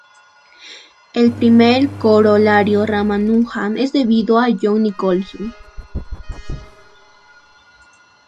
El Primer Corolario Ramanujan es debido a John Nicholson.